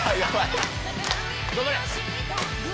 頑張れ。